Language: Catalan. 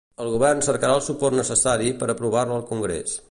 El govern cercarà el suport necessari per aprovar-la al Congrés.